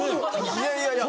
いやいやいや